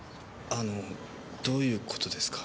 あのどういう事ですか？